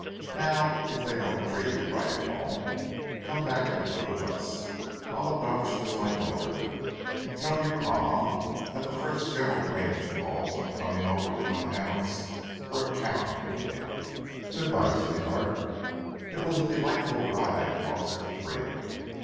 Now, if they don't treat you right at home, come back and live with us. I'll adopt you as my daughter. And tell your pa that the first general rain that falls, I'm coming over with my hounds for a cat hunt with him. Good by, sweetheart." It was a delightful ride across to the Frio.